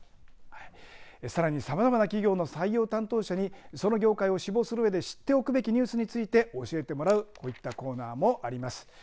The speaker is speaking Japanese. さらにさまざまな企業の採用担当者にその業界を志望するうえで知っておくべきニュースについて教えてもらうこういったコーナーもあります。